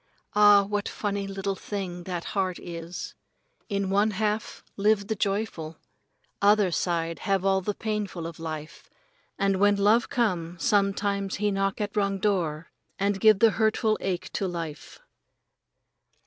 Ah, what funny little thing that heart is! In one half live the joyful. Other side have all the painful of life, and when the love come sometimes he knock at wrong door and give the hurtful ache to life.